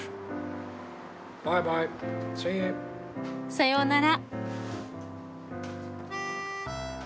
さようなら。